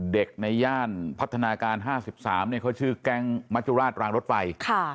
เด็กในย่านพัฒนาการห้าสิบสามเนี้ยเขาชื่อแก๊งมัจจุราชรางรถไฟค่ะ